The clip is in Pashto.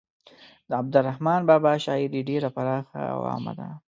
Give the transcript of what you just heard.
د عبدالرحمان بابا شاعري ډیره پراخه او عامه ده.